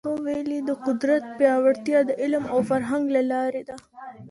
هغه ویلي، د قدرت پیاوړتیا د علم او فرهنګ له لاري ده.